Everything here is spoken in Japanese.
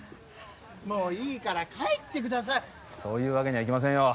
もういいから帰ってくださいそういうわけにはいきませんよ